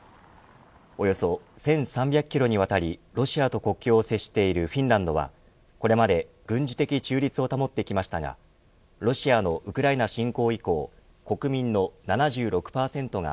およそ１３００キロにわたりロシアと国境を接しているフィンランドはこれまで軍事的中立を保ってきましたがロシアのウクライナ侵攻以降国民の７６％が